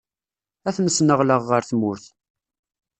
Ad ten-sneɣleɣ ɣer tmurt.